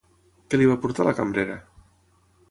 Què li va portar la cambrera?